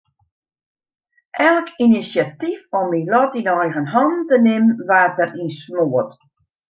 Elk inisjatyf om myn lot yn eigen hannen te nimmen waard deryn smoard.